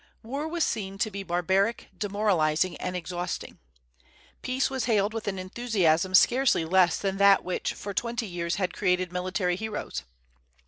War was seen to be barbaric, demoralizing, and exhausting. Peace was hailed with an enthusiasm scarcely less than that which for twenty years had created military heroes.